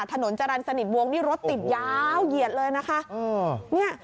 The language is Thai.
ถนนจรรย์สนิทวงนี่รถติดยาวเหยียดเลยนะคะ